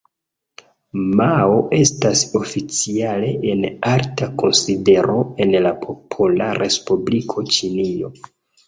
Mao estas oficiale en alta konsidero en la Popola Respubliko Ĉinio.